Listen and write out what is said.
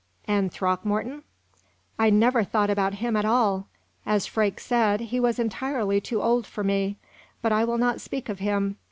'" "And Throckmorton?" "I never thought about him at all. As Freke said, he was entirely too old for me. But I will not speak of him.